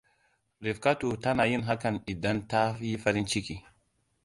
Rifkatu tana yin hakan idan ta yi farin ciki.